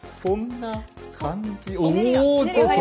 こんな感じ。